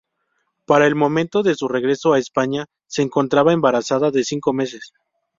Para el momento de su regreso a España se encontraba embarazada de cinco meses.